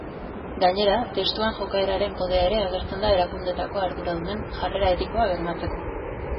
Gainera, testuan jokaeren kodea ere agertzen da erakundeetako arduradunen jarrera etikoa bermatzeko.